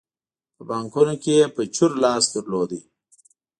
په بانکونو کې یې په چور لاس درلود.